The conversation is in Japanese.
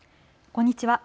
こんにちは。